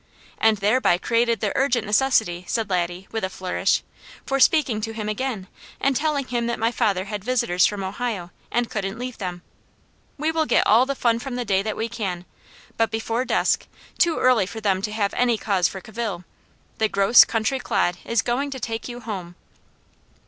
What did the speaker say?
"And thereby created the urgent necessity," said Laddie with a flourish, "for speaking to him again, and telling him that my father had visitors from Ohio, and couldn't leave them. We will get all the fun from the day that we can; but before dusk, too early for them to have any cause for cavil, 'the gross country clod' is going to take you home!"